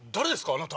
あなた。